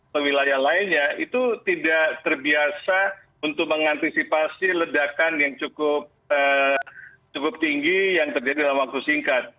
ke wilayah lainnya itu tidak terbiasa untuk mengantisipasi ledakan yang cukup tinggi yang terjadi dalam waktu singkat